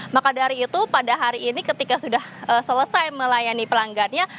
maka dari itu pada hari ini ketika sudah selesai melayani pelanggannya